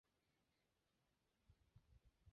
分权的目的在于避免独裁者的产生。